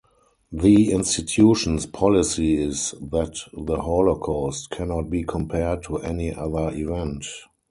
The institution's policy is that the Holocaust "cannot be compared to any other event".